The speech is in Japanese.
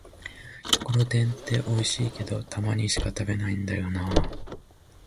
ところてんっておいしいけど、たまにしか食べないんだよなぁ